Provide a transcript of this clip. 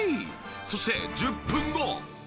そして１０分後。